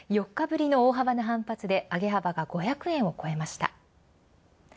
４日ぶりの大幅な反発で上げ幅が５００円を超えました。